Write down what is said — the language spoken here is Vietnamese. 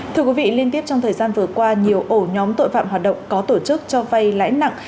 thưa quý vị liên tiếp trong thời gian vừa qua nhiều ổ nhóm tội phạm hoạt động có tổ chức cho vay lãi nặng